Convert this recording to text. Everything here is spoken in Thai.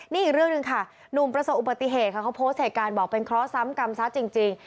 นี่อีกเรื่องหนึ่งค่ะหนุ่มประสบอุบัติเหตุค่ะเขาโพสต์เหตุการณ์บอกเป็นเคราะห์กรรมซะจริง